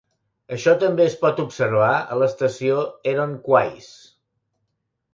Això també es pot observar a l'estació Heron Quays.